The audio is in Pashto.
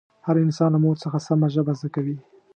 هر انسان له مور څخه سمه ژبه زده کوي